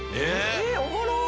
えっおもろ！